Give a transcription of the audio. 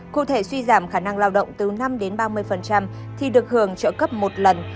cụ thể suy giảm khả năng lao động từ năm đến ba mươi thì được hưởng trợ cấp một lần